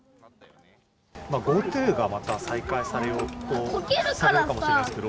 ＧｏＴｏがまた再開されるかもしれないんですけど。